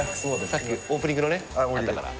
さっきオープニングのねあったから。